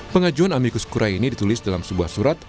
pengajuan amikus kura ini ditulis dalam sebuah surat